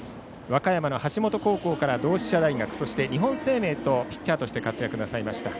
和歌山の橋本高校から同志社大学そして日本生命とピッチャーとして活躍なさいました。